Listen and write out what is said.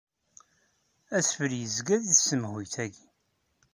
Adfel yezga di tsemhuyt-agi.